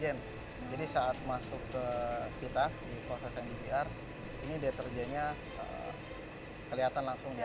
jadi saat masuk ke kita di proses mbbr ini deterjennya kelihatan langsung nyata